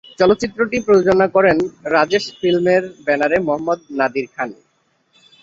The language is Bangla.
চলচ্চিত্রটি প্রযোজনা করেন রাজেশ ফিল্মসের ব্যানারে মোহাম্মদ নাদির খান।